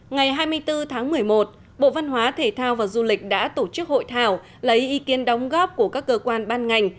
ngày hai mươi bốn tháng một mươi một bộ văn hóa thể thao và du lịch đã tổ chức hội thảo lấy ý kiến đóng góp của các cơ quan ban ngành